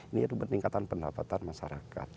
ini peningkatan pendapatan masyarakat